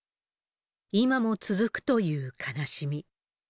今も続くという悲しみ。